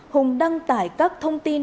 hùng đăng tải các thông tin